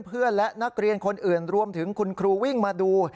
เพื่อนและนักเรียนคนอื่นรวมถึงคุณครูวิ่งมาดู